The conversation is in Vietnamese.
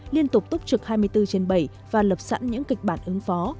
liên tục túc trực hai mươi bốn trên bảy và lập sẵn những kịch bản ứng phó